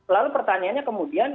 lalu pertanyaannya kemudian